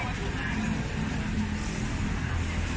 พอขูดมา